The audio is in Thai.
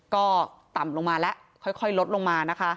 ก็ต่ำลงมาแล้วค่อยลดลงมานะคะ